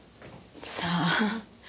さあ。